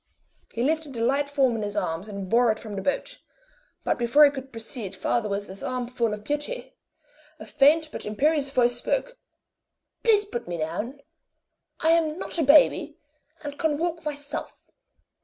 He lifted the light form in his arms and bore it from the boat; but before he could proceed farther with his armful of beauty, a faint but imperious voice spoke: "Please put me down. I am not a baby, and can walk myself."